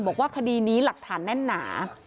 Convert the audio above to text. บอกว่าคดีนี้หลักฐานแน่นหนา